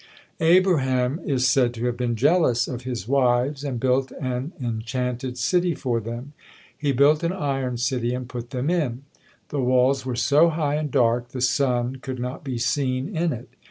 Abraham is said to have been jealous of his wives, and built an enchanted city for them. He built an iron city and put them in. The walls were so high and dark, the sun could not be seen in it.